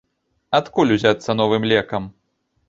Адкуль узяцца новым лекам?